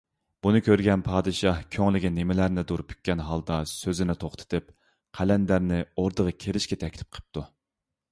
بۇنى كۆرگەن پادىشاھ كۆڭلىگە نېمىلەرنىدۇر پۈككەن ھالدا سۆزىنى توختىتىپ، قەلەندەرنى ئوردىغا كىرىشكە تەكلىپ قىپتۇ.